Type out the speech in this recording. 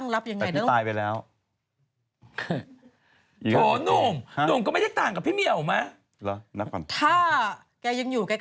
เราจะตั้งรับอย่างไร